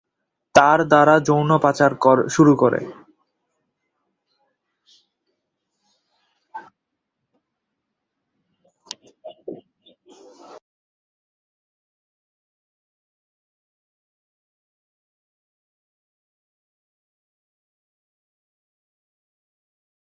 তার দ্বারা যৌন পাচার শুরু করে।